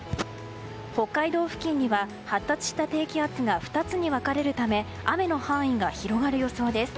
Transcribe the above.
北海道付近には発達した低気圧が２つに分かれるため雨の範囲が広がる予想です。